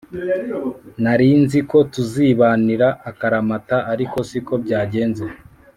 Narinziko tuzibanira akaramata ariko siko byagenze